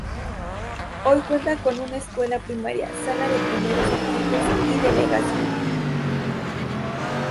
Hoy cuenta con una escuela primaria, sala de primeros auxilios y delegación.